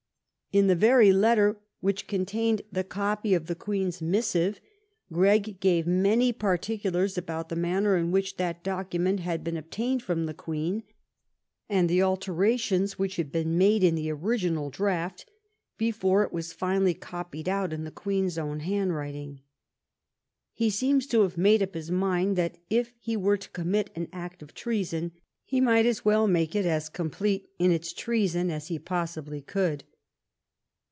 In the very letter which contained the copy of the Queen's mis sive, Gregg gave many particulars about the manner 807 THE REIGN OF QUEEN ANNE in which that document had heen obtained from the Queen and the alterations which had been made in the original draft before it was finally copied out in Anne's own handwriting. He seems to have made up his mind that if he were to commit an act of treason he might as well make it as complete in its treason as he possibly could.